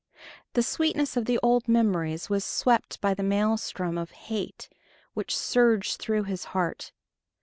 The sweetness of the old memories was swept by the maelstrom of hate which surged through his heart.